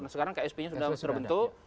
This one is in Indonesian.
sekarang ksp nya sudah terbentuk